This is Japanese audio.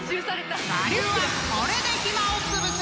［我流はこれで暇をつぶす！］